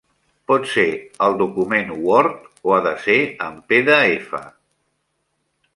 Pot ser el document word o ha de ser en pe de efa?